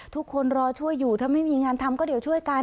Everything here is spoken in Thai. ทุกคนรอช่วยอยู่ถ้าไม่มีงานทำก็เดี๋ยวช่วยกัน